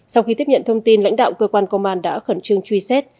sau khi tiếp nhận thông tin lãnh đạo cơ quan công an đã khẩn trương truy xét